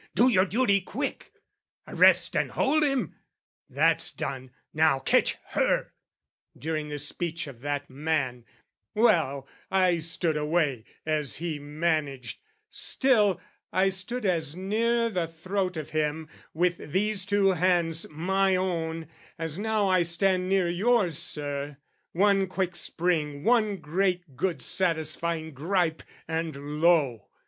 Do your duty quick! "Arrest and hold him! That's done: now catch her!" During this speech of that man, well, I stood Away, as he managed, still, I stood as near The throat of him, with these two hands, my own, As now I stand near yours, Sir, one quick spring, One great good satisfying gripe, and lo!